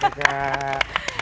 terima kasih banyak